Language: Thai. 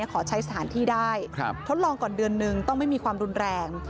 ขอใช้สถานที่ได้ทดลองก่อนเดือนนึงต้องไม่มีความรุนแรง